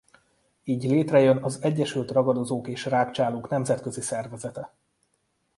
Így létrejön az Egyesült Ragadozók és Rágcsálók Nemzetközi Szervezete.